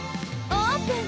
オープン！